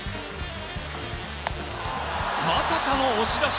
まさかの押し出し。